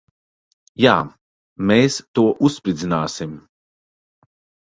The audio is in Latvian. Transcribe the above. Jā. Mēs to uzspridzināsim.